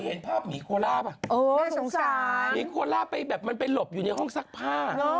เห็นภาพหมีโคล่าป่ะโอ้น่าสงสัยหมีโคล่าไปแบบมันไปหลบอยู่ในห้องซักผ้า